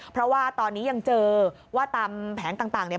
เพราะว่าตอนนี้ยังเจอว่าตามแผงต่างเนี่ย